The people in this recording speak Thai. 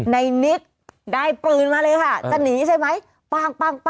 นิดได้ปืนมาเลยค่ะจะหนีใช่ไหมปั้ง